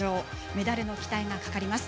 メダルの期待がかかります。